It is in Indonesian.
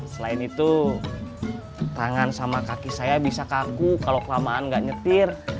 selain itu tangan sama kaki saya bisa kagu kalau kelamaan nggak nyetir